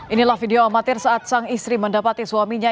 inilah video amatir saat sang istri mendapati suaminya